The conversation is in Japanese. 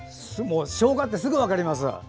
しょうがってすぐ分かります！